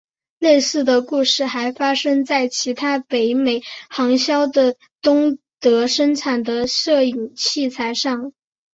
类似的故事还发生在其他北美行销的东德生产的摄影器材上。